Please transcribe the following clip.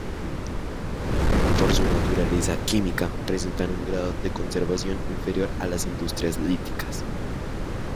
Por su naturaleza química presentan un grado de conservación inferior a las industrias líticas.